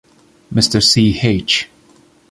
Mister Ch.